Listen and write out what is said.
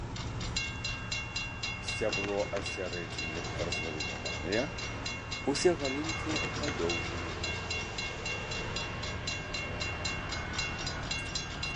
Сцябло ад сярэдзіны разгалінаваныя, усе галінкі падоўжаныя.